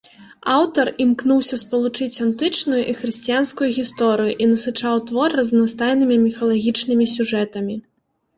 Аўтар імкнуўся спалучыць антычную і хрысціянскую гісторыю і насычаў твор разнастайнымі міфалагічнымі сюжэтамі.